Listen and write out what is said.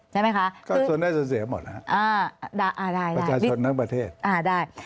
ใช่ไหมคะคือประจาชนนักประเทศอ่าได้